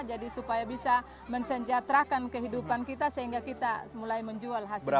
jadi supaya bisa mensenjaterakan kehidupan kita sehingga kita mulai menjual hasil bumi kita